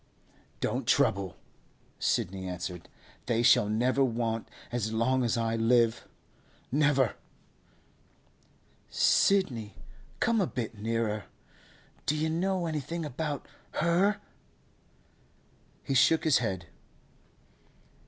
'Don't trouble,' Sidney answered. 'They shall never want as long as I live—never!' 'Sidney, come a bit nearer. Do you know anything about her?' He shook his head.